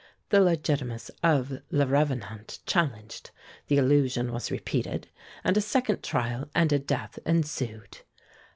The Legitimists of 'Le Revenant' challenged; the allusion was repeated, and a second trial and a death ensued.